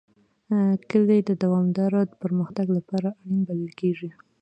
کلي د دوامداره پرمختګ لپاره اړین بلل کېږي.